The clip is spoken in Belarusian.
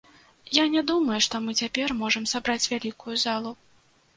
Я не думаю, што мы цяпер можам сабраць вялікую залу.